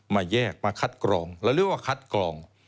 มาแยกมาคัดกรองแล้วเรียกว่าคัดกรอง